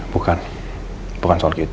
bukan bukan soal kita